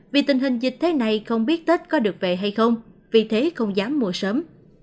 vì tình hình dịch thế này không biết tết có được về hay không vì thế không dám mua sớm